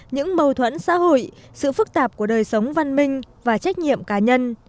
những mâu thuẫn xã hội sự phức tạp của đời sống văn minh và trách nhiệm cá nhân